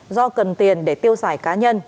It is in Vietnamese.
do cần tiền để tiêu giải cá nhân